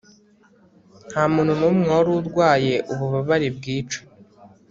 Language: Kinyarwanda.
Ntamuntu numwe wari urwaye ububabare bwica